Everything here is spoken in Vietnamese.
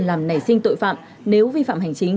làm nảy sinh tội phạm nếu vi phạm hành chính